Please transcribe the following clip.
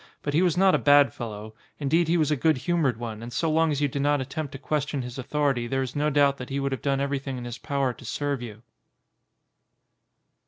But he was not a bad fel low; indeed he was a good humoured one and so long as you did not attempt to question his au thority there is no doubt that he would have done everything in his power to serve you.